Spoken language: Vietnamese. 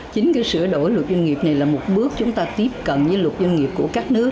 chính cái sửa đổi luật doanh nghiệp này là một bước chúng ta tiếp cận với luật doanh nghiệp của các nước